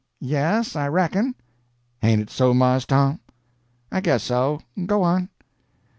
"Yes, I reckon." "Hain't it so, Mars Tom?" "I guess so. Go on."